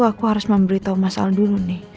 aku harus memberitahu mas al dulu nih